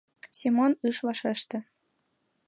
Семон ыш вашеште.